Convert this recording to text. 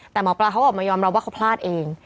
แต่หมอปลาเขาออกมายอมรับว่าเขาพลาดเอง